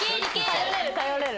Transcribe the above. ・頼れる頼れる。